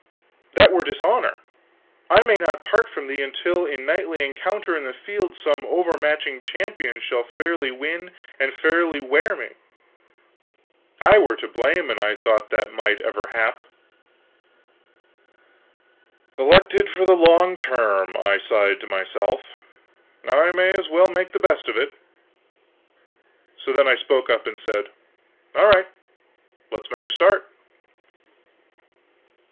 That were dishonor. I may not part from thee until in knightly encounter in the field some overmatching champion shall fairly win and fairly wear me. I were to blame an I thought that that might ever hap." "Elected for the long term," I sighed to myself. "I may as well make the best of it." So then I spoke up and said: "All right; let us make a start."